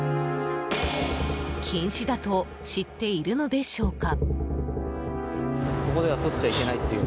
禁止だと知っているのでしょうか？